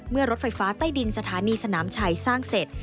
รถไฟฟ้าใต้ดินสถานีสนามชัยสร้างเสร็จ